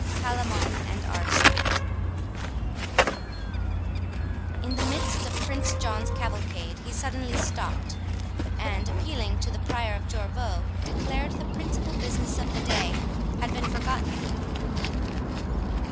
PALAMON AND ARCITE In the midst of Prince John's cavalcade, he suddenly stopt, and appealing to the Prior of Jorvaulx, declared the principal business of the day had been forgotten.